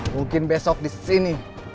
mungkin besok disini